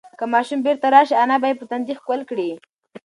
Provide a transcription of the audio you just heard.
که ماشوم بیرته راشي، انا به یې په تندي ښکل کړي.